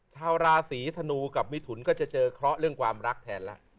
ชาวราศีธนูกับมิถุนก็จะเจอเคราะห์เรื่องความรักแทนแล้ว